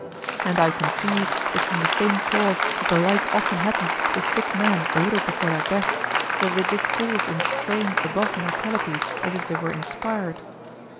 And I conceive 'tis from the same cause that the like often happens to sick men a little before their death, that they discourse in strain above mortality as if they were inspired.